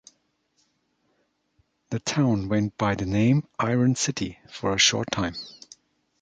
The town went by the name "Iron City" for a short time.